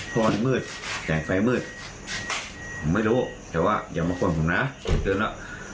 พ่อมืดแสงไฟมืดผมไม่รู้แต่ว่าอย่ามาควนผมนะผมเตือนแล้ว